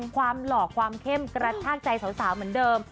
ความหล่อความเข้มกระชากใจสาวเหมือนเดิม